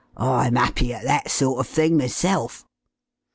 I'm 'appy at that sort of thing myself."